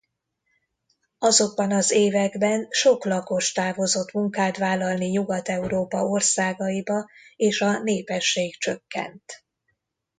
Azokban az években sok lakos távozott munkát vállalni Nyugat-Európa országaiba és a népesség csökkent.